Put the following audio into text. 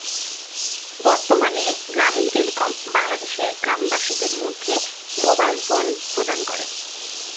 বর্তমানে গ্রামীণ টেলিকম বাংলাদেশের গ্রামবাসীদের মধ্যে মোবাইল ফোন প্রদান করে।